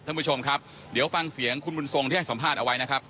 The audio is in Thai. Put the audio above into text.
ท่านผู้ชมครับเดี๋ยวฟังเสียงคุณบุญทรงที่ให้สัมภาษณ์เอาไว้นะครับ